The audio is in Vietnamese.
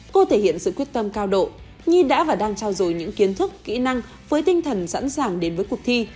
cô thể hiện sự quyết tâm cao độ nhi đã và đang trao dồi những kiến thức kỹ năng với tinh thần sẵn sàng đến với cuộc thi